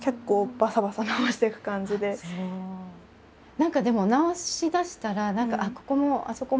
何かでも直しだしたら「ここもあそこも」って。